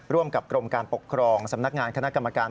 ร่วมกับกรมการปกครองสำนักงานคณะกรรมการ